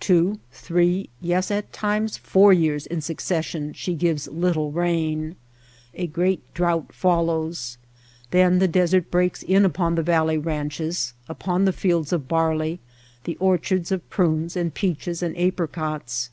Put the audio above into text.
Two, three ; yes, at times, four years in succession she gives little rain. A great drouth follows. Then the desert breaks in upon the valley ranches, upon the fields of bar ley, the orchards of prunes and peaches and apricots.